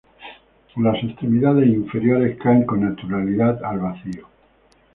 Las extremidades inferiores caen con naturalidad al vacío.